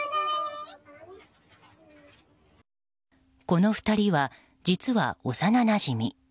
この２人は実は幼なじみ。